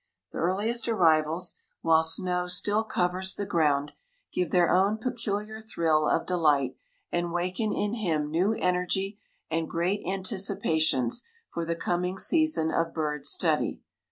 The earliest arrivals, while snow still covers the ground, give their own peculiar thrill of delight, and waken in him new energy and great anticipations for the coming season of bird study.